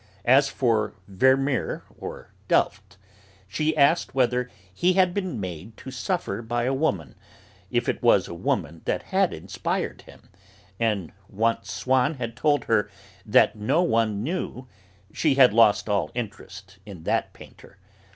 As for Vermeer of Delft, she asked whether he had been made to suffer by a woman, if it was a woman that had inspired him, and once Swann had told her that no one knew, she had lost all interest in that painter.